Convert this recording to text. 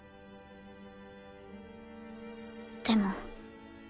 でも。